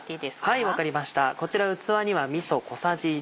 はい分かりましたこちら器にはみそ小さじ１